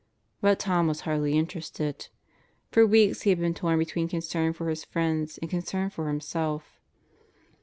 But Tom was hardly interested. For weeks he had been torn between concern for his friends and concern for himself.